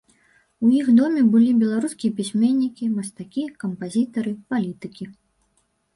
У іх доме былі беларускія пісьменнікі, мастакі, кампазітары, палітыкі.